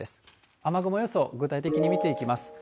雨雲予想、具体的に見ていきます。